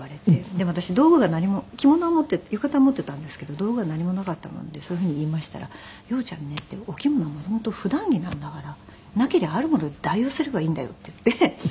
でも私道具が何も浴衣は持っていたんですけど道具は何もなかったもんでそういうふうに言いましたら「羊ちゃんね」って「お着物元々普段着なんだからなけりゃあるもので代用すればいいんだよ」って言って。